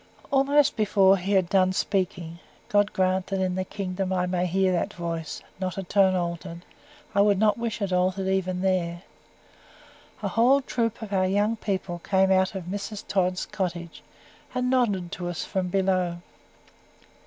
Almost before he had done speaking (God grant that in the Kingdom I may hear that voice, not a tone altered I would not wish it altered even there) a whole troop of our young people came out of Mrs. Tod's cottage, and nodded to us from below.